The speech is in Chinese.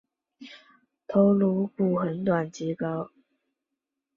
头颅骨很短及高。